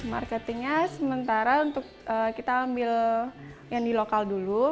marketingnya sementara untuk kita ambil yang di lokal dulu